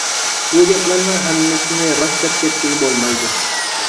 بۇ گەپلەرنىڭ ھەممىسىنى راست دەپ كەتكىلى بولمايدۇ.